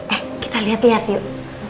eh kita liat liat yuk